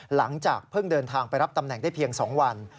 หลังจากเพิ่งเดินทางไปรับตำแหน่งได้เพียง๒วัน